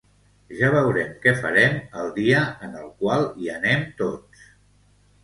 Ja veurem què farem el dia en el qual hi anem tots.